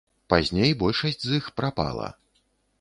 Пазней большасць з іх прапала.